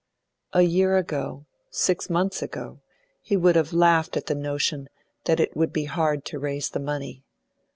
A year ago, six months ago, he would have laughed at the notion that it would be hard to raise the money.